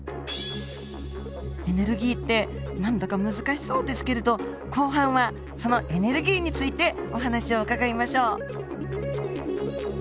エネルギーって何だか難しそうですけれど後半はそのエネルギーについてお話を伺いましょう。